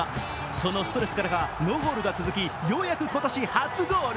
そのストレスからか、ノーゴールが続き、ようやく今年初ゴール。